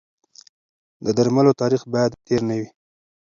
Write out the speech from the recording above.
د درملو تاریخ باید تېر نه وي.